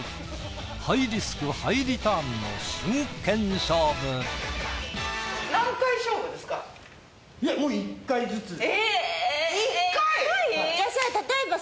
ハイリスクハイリターンの真剣勝負。ということで。